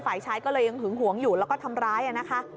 ฝ่ายชายก็เลยยังหึงหวงอยู่แล้วก็ทำร้ายนะคะ